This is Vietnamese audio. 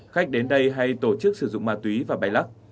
khách đến đây hay tổ chức sử dụng ma túy và bay lắc